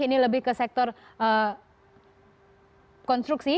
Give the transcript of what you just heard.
ini lebih ke sektor konstruksi